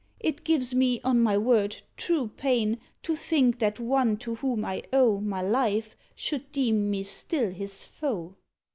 It gives me, on my word, true pain To think that one to whom I owe My life should deem me still his foe!"